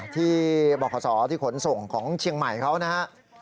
ที่บขที่ขนส่งของเชียงใหม่เขานะครับ